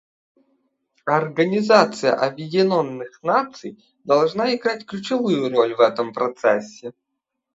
Организация Объединенных Наций должна играть ключевую роль в этом процессе.